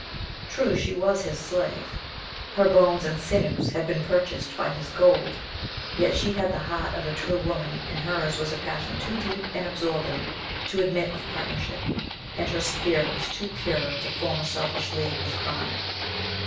True, she was his slave; her bones, and sinews had been purchased by his gold, yet she had the heart of a true woman, and hers was a passion too deep and absorbing to admit of partnership, and her spirit was too pure to form a selfish league with crime.